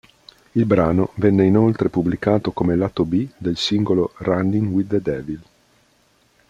Il brano venne inoltre pubblicato come lato B del singolo "Runnin' with the Devil".